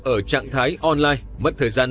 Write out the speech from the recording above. ở trạng thái online mất thời gian